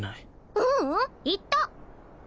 ううん言った！